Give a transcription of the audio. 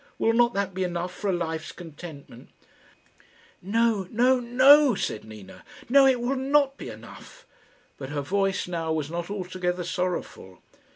Will not that be enough for a life's contentment?" "No no, no," said Nina. "No, it will not be enough." But her voice now was not altogether sorrowful.